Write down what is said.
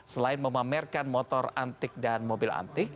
selain memamerkan motor antik dan mobil antik